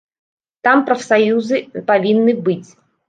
Там прафсаюзы павінны быць.